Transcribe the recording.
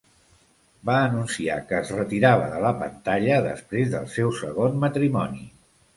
Va anunciar que es retirava de la pantalla després del seu segon matrimoni.